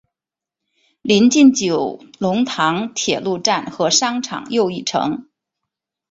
邻近九龙塘铁路站和商场又一城。